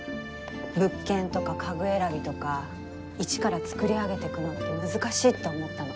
物件とか家具選びとか一から作り上げてくのって難しいって思ったの。